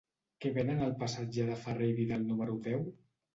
Què venen al passatge de Ferrer i Vidal número deu?